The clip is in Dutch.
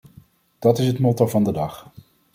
Dat is het motto van de dag.